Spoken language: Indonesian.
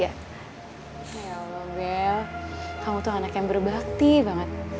ya allah bel kamu tuh anak yang berbakti banget